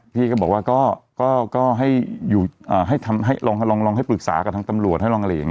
พี่ก็บอกว่าก็ให้ลองปรึกษากับทางตำรวจ